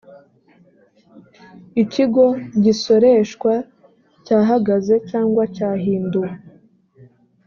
ikigo gisoreshwa cyahagaze cyangwa cyahinduwe